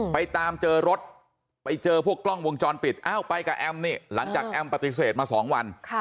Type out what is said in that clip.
ไปตามเจอรถไปเจอพวกกล้องวงจรปิดอ้าวไปกับแอมนี่หลังจากแอมปฏิเสธมา๒วัน